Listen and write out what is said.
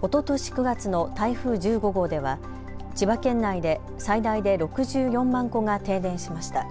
おととし９月の台風１５号では千葉県内で最大で６４万戸が停電しました。